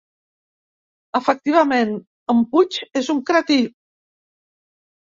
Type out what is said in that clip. Efectivament, en Puig és un cretí.